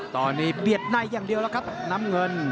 ตอนนี้เบียดในอย่างเดียวแล้วครับน้ำเงิน